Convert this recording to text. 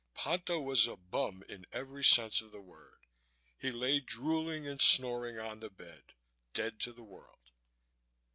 Ponto was a bum in every sense of the word. He lay drooling and snoring on the bed, dead to the world.